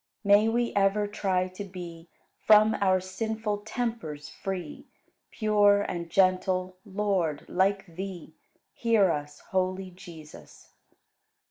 May we ever try to be From our sinful tempers free, Pure and gentle, Lord, like Thee; Hear us, holy Jesus!